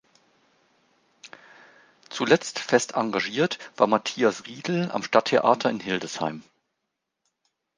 Zuletzt fest engagiert war Mathias Riedel am Stadttheater in Hildesheim.